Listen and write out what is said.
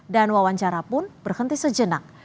dan wawancara pun berhenti sejenak